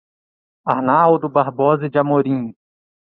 Arnaldo Barbosa de Amorim